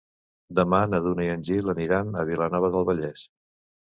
Demà na Duna i en Gil aniran a Vilanova del Vallès.